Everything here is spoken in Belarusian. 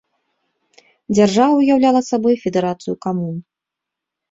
Дзяржава ўяўляла сабой федэрацыю камун.